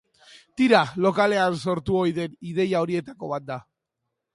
Tira, lokalean sortu ohi den ideia horietako bat da.